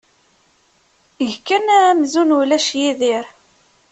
Eg kan amzun ulac Yidir.